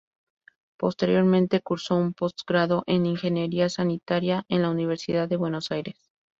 Posteriormente cursó un postgrado en Ingeniería Sanitaria en la Universidad de Buenos Aires.